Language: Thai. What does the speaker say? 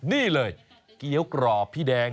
นี่เลยเกี้ยวกรอบพี่แดง